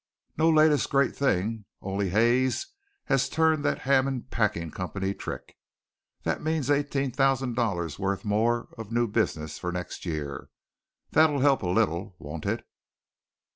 "No latest great thing, only Hayes has turned that Hammond Packing Company trick. That means eighteen thousand dollars' worth more of new business for next year. That'll help a little, won't it?"